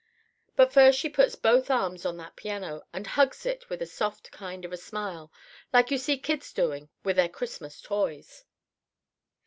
But first she puts both arms on that piano and hugs it with a soft kind of a smile, like you see kids doing with their Christmas toys.